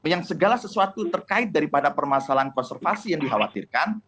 yang segala sesuatu terkait daripada permasalahan konservasi yang dikhawatirkan